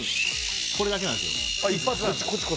これだけなんすよ。